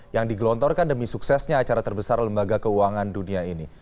yang digelontorkan demi suksesnya acara terbesar lembaga keuangan dunia ini